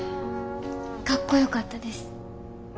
かっこよかったです。